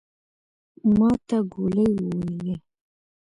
ماته ګولي وويلې.